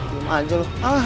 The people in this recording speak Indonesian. diam aja lo